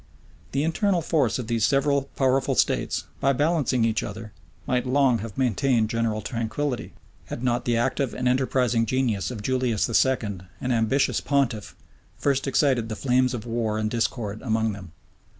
The internal force of these several powerful states, by balancing each other, might long have maintained general tranquillity, had not the active and enterprising genius of Julius II., an ambitious pontiff, first excited the flames of war and discord among them.